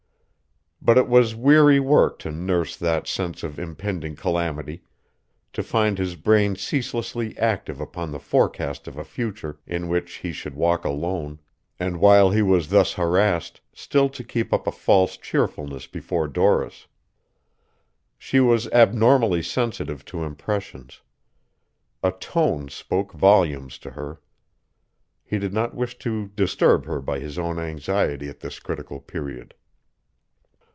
But it was weary work to nurse that sense of impending calamity, to find his brain ceaselessly active upon the forecast of a future in which he should walk alone, and while he was thus harassed still to keep up a false cheerfulness before Doris. She was abnormally sensitive to impressions. A tone spoke volumes to her. He did not wish to disturb her by his own anxiety at this critical period.